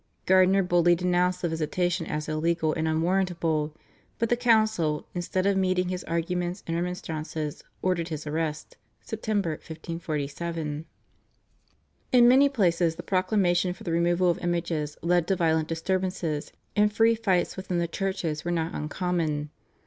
Gardiner boldly denounced the visitation as illegal and unwarrantable, but the council instead of meeting his arguments and remonstrances ordered his arrest (September 1547). In many places the proclamation for the removal of images led to violent disturbances, and free fights within the churches were not uncommon.